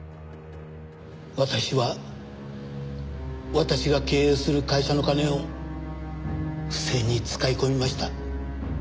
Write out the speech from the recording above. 私は私が経営する会社の金を不正に使い込みました。